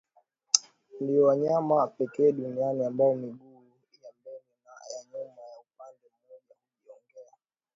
Ndio wanyama pekee duniani ambao miguu ya mbele naya nyuma ya upande mmoja hujongea